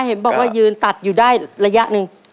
เห็นบอกว่ายืนตัดอยู่ได้ระยะหนึ่ง